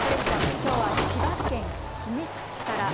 きょうは千葉県君津市から。